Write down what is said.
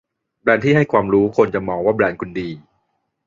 แบรนด์ที่ให้ความรู้คนจะมองว่าแบรนด์คุณดี